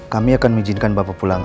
kami akan mengizinkan bapak pulang